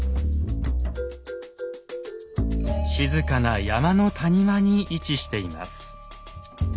静かな山の谷間に位置しています。